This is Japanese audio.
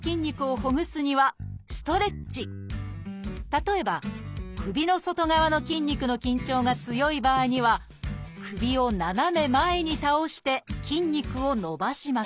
例えば首の外側の筋肉の緊張が強い場合には首を斜め前に倒して筋肉を伸ばします